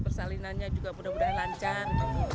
persalinannya juga mudah mudahan lancar